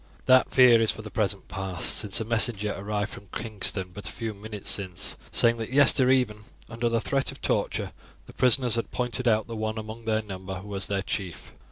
"That fear is for the present past, since a messenger arrived from Kingston but a few minutes since, saying that yester even, under the threat of torture, the prisoners had pointed out the one among their number who was their chief.